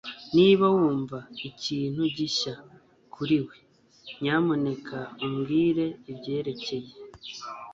Niba wumva ikintu gishya kuri we nyamuneka umbwire ibyerekeye